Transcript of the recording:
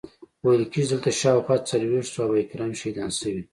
ویل کیږي چې دلته شاوخوا څلویښت صحابه کرام شهیدان شوي.